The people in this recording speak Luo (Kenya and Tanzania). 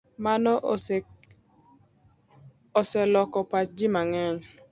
Mano oseloko pach ji mang'eny.